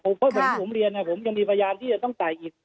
เพราะว่าผมเรียนนะครับผมยังมีพยานที่จะต้องใส่อีก